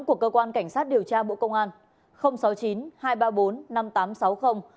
của cơ quan cảnh sát điều tra bộ công an